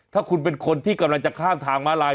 ถ้าคุณเป็นคนที่กำลังจะคลื่นข้างมาลาย